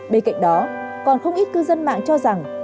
bên cạnh đó còn không ít cư dân mạng cho rằng